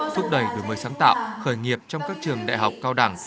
thúc đẩy đổi mới sáng tạo khởi nghiệp trong các trường đại học cao đẳng